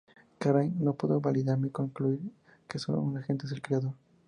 Craig no puede válidamente concluir que un solo agente es el creador.